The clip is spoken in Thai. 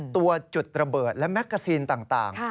ตัวจุดระเบิดและแกซีนต่าง